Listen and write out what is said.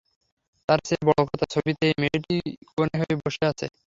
তার চেয়েও বড় কথা, ছবিতে এই মেয়েটিই কনে হয়ে বসে আছে।